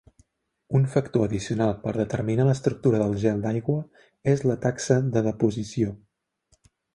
Un factor addicional per determinar l'estructura del gel d'aigua és la taxa de deposició.